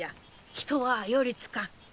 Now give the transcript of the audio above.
人は寄り付かん。